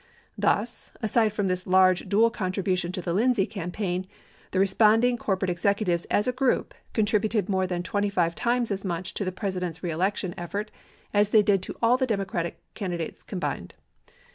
Thus, aside from this large dual contribution to the Lindsay campaign, the responding cor porate executives as a group contributed more than 25 times as much to the President's reelection effort as they did to all the Democratic candidates combined.